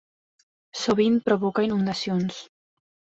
Sovint provoca inundacions.